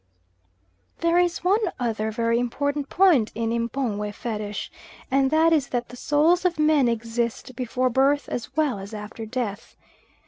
There is one other very important point in M'pongwe Fetish; and that is that the souls of men exist before birth as well as after death.